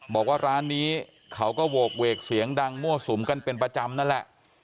บอกว่าร้านนี้เขาก็โหกเวกเสียงดังมั่วสุมกันเป็นประจำนั่นแหละ